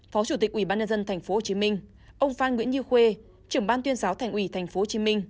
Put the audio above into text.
phó chủ tịch ủy ban nhân dân tp hcm ông phan nguyễn như khuê trưởng ban tuyên giáo thành ủy tp hcm